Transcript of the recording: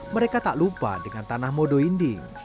mereka tak lupa dengan tanah modo inding